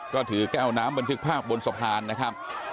ก็ถือแก้วน้ำบันทึกภาพบนสะพานนะครับ